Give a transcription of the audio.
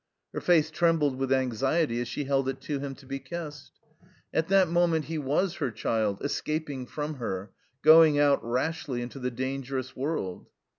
Her face trembled with anxiety as she held it to him to be kissed. At that moment he was her child, escaping from her, going out rashly into the dangerous world.